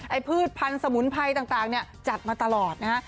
พืชพันธุ์สมุนไพรต่างเนี่ยจัดมาตลอดนะฮะ